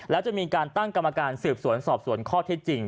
แล้วจะมีการตั้งกรรมการสืบสวนสอบสวนข้อเท็จจริง